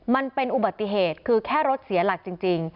มันเป็นอุบัติเหตุคือแค่รถเสียหลักจริง